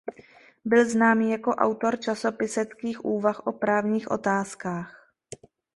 Byl známý jako autor časopiseckých úvah o právních otázkách.